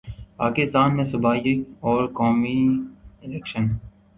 پاکستان میں صوبائی اور قومی الیکشن